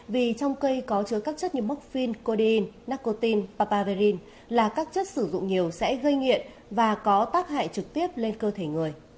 vì trong cây có chứa các chất như mốc phin codecoine paparin là các chất sử dụng nhiều sẽ gây nghiện và có tác hại trực tiếp lên cơ thể người